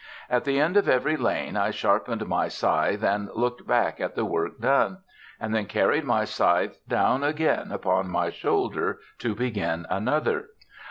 At the end of every lane I sharpened my scythe and looked back at the work done, and then carried my scythe down again upon my shoulder to begin another.